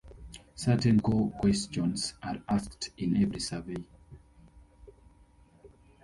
Certain core questions are asked in every survey.